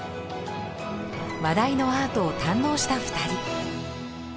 話題のアートを堪能した２人。